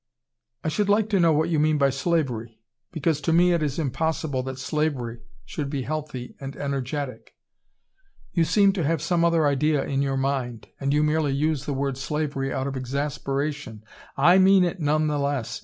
"I should like to know what you mean by slavery. Because to me it is impossible that slavery should be healthy and energetic. You seem to have some other idea in your mind, and you merely use the word slavery out of exasperation " "I mean it none the less.